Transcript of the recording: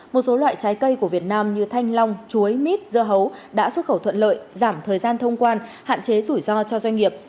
một số loại trái cây của việt nam như thanh long chuối mít dưa hấu đã xuất khẩu thuận lợi giảm thời gian thông quan hạn chế rủi ro cho doanh nghiệp